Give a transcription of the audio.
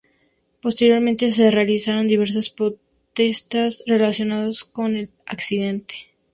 Posteriormente se realizaron diversas protestas relacionadas con el accidente.